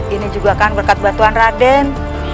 ini juga kan berkat bantuan raden